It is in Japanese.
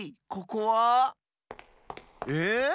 ここは？え？